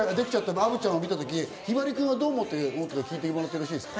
アヴちゃんを見たとき、ひばりくんはどう思ったか聞いてもらってよろしいですか。